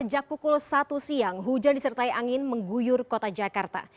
sejak pukul satu siang hujan disertai angin mengguyur kota jakarta